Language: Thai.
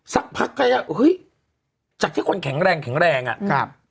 สักพักแค่จากที่คนแข็งแรงอะ